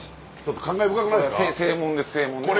感慨深くないですか？